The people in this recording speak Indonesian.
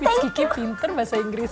kiki pinter bahasa inggris